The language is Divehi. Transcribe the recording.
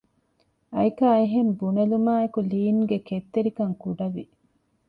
އައިކާ އެހެން ބުނެލުމާއެކު ލީންގެ ކެތްތެރިކަން ކުޑަވި